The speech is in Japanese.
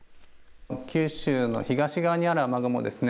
九州の東側にある雨雲ですね